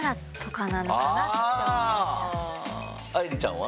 愛莉ちゃんは？